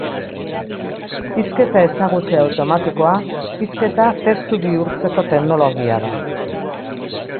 Hizketa-ezagutze automatikoa hizketa testu bihurtzeko teknologia da.